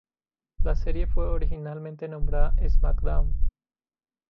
La serie fue originalmente nombrada "SmackDown!